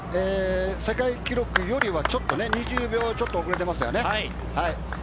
世界記録よりはちょっと２０秒ちょっと遅れていますね。